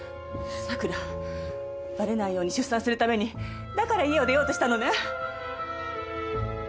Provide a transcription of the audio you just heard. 桜バレないように出産するためにだから家を出ようとしたのね？